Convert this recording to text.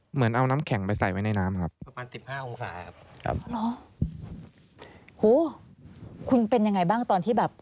เหมือนเอาน้ำแข็งไปใส่ไว้ในน้ำครับ